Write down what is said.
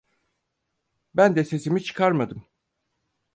Ben de sesimi çıkarmadım.